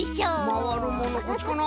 まわるものこっちかな？